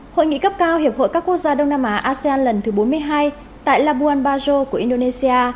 hội nghị cấp cao hiệp hội các quốc gia đông nam á asean lần thứ bốn mươi hai tại labuan bajo của indonesia